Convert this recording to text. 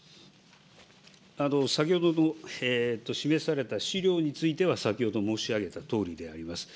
先ほど示された資料については、先ほど申し上げたとおりであります。